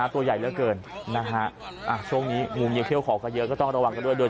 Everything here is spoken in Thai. ตัวใหญ่เยอะเกินช่วงนี้มุมเยี่ยวขอเยอะก็ต้องระวังกันด้วย